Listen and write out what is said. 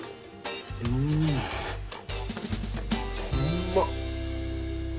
うまっ！